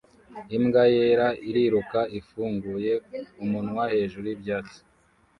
imbwa yera iriruka ifunguye umunwa hejuru y'ibyatsi